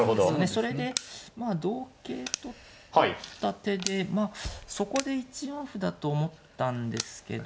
それで同桂と取った手でそこで１四歩だと思ったんですけど。